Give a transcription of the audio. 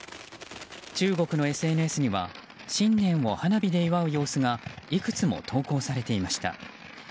中国のＳＮＳには新年を花火で祝う様子がいくつも投稿されていました。